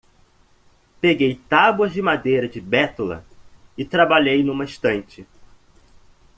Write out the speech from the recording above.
Peguei tábuas de madeira de bétula e trabalhei numa estante.